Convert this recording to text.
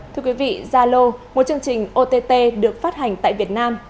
thưa quý vị zalo một chương trình ott được phát hành tại việt nam